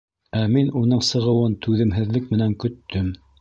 Ә мин уның сығыуын түҙемһеҙлек менән көттөм.